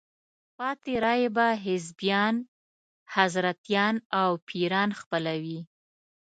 پاتې رایې به حزبیان، حضرتیان او پیران خپلوي.